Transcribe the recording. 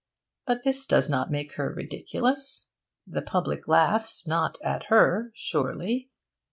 But this does not make her ridiculous. The public laughs not at her, surely.